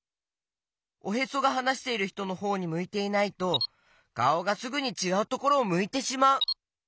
おへそがはなしているひとのほうにむいていないとかおがすぐにちがうところをむいてしまう。